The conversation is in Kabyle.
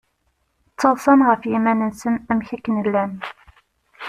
Ttaḍsan ɣef yiman-nsen amek akken llan.